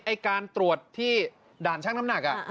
การตรวจที่ด่านช่างน้ำหนัก